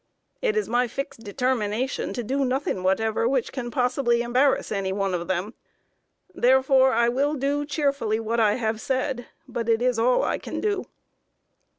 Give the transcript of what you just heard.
It is my fixed determination to do nothing whatever which can possibly embarrass any one of them. Therefore, I will do cheerfully what I have said, but it is all I can do."